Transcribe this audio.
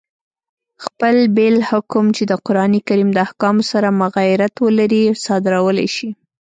خپل بېل حکم، چي د قرآن کریم د احکامو سره مغایرت ولري، صادرولای سي.